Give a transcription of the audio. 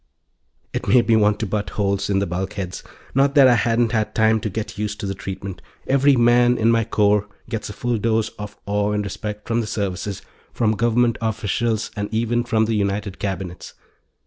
It made me want to butt holes in the bulkheads. Not that I hadn't had time to get used to the treatment; every man in my corps gets a full dose of awe and respect from the services, from Government officials and even from the United Cabinets.